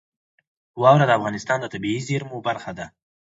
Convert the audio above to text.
واوره د افغانستان د طبیعي زیرمو برخه ده.